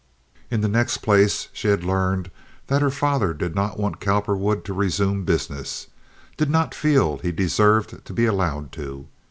In the next place she had learned that her father did not want Cowperwood to resume business—did not feel he deserved to be allowed to.